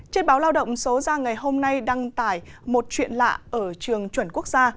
trên báo lao động số ra ngày hôm nay đăng tải một chuyện lạ ở trường chuẩn quốc gia